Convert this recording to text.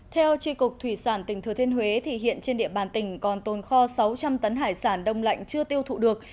theo tri cục thủy sản tỉnh thừa thiên huế thì hiện trên địa bàn tỉnh còn tồn kho sáu trăm linh tấn hải sản đông lạnh chưa tiêu thụ được